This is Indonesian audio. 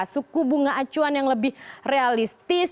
suku bunga acuan yang lebih realistis